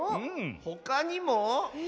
ほかにも？